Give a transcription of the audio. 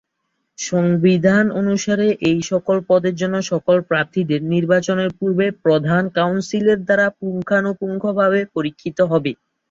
সংবিধান অনুসারে এই সকল পদের জন্য সকল প্রার্থীদের নির্বাচনের পূর্বে প্রধান কাউন্সিলের দ্বারা পুঙ্খানুপুঙ্খভাবে পরীক্ষিত হবে।